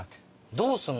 どうすんの？